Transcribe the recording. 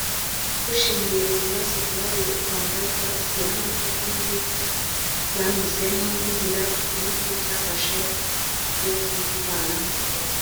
Bushingiye ku bibazo byihariye u Rwanda rwasigiwe n’amateka mabi rwanyuzemo n’inzira igihugu cyafashe yo kuyivanamo